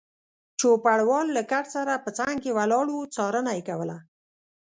چوپړوال له کټ سره په څنګ کې ولاړ و، څارنه یې کوله.